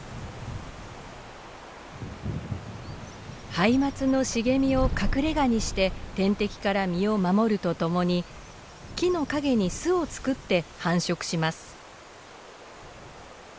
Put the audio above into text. ハイマツの茂みを隠れがにして天敵から身を守るとともに木の陰に巣を作って繁殖します。